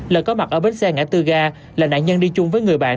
lợi có mặt ở bến xe ngã tư ga là nạn nhân đi chung với người bạn